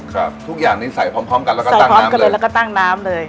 ครับทุกอย่างนี้ใส่พร้อมกันแล้วก็ตั้งน้ำเลยใส่พร้อมกันแล้วก็ตั้งน้ำเลย